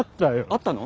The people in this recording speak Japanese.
あったの？